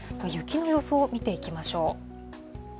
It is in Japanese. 雪の予想を見ていきましょう。